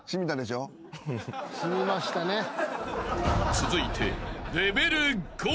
［続いて］